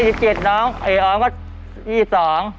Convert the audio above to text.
ผมก็จะ๒๗น้องเอออมก็๒๒